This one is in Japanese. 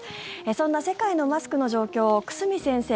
そんな世界のマスクの状況を久住先生